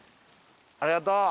ありがとう。